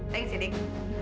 thanks ya dik